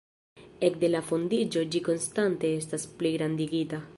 Ekde la fondiĝo ĝi konstante estas pligrandigita.